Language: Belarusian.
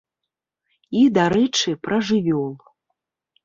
І, дарэчы, пра жывёл.